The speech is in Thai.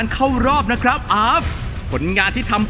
ผมมั่นใจในระดับหนึ่งนะครับว่า